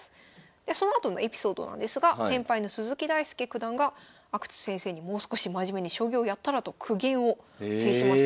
そのあとのエピソードなんですが先輩の鈴木大介九段が阿久津先生にもう少し真面目に将棋をやったらと苦言を呈しました。